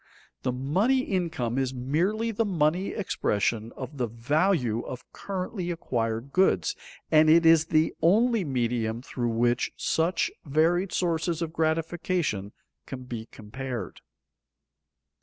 The money income is merely the money expression of the value of currently acquired goods, and it is the only medium through which such varied sources of gratification can be compared.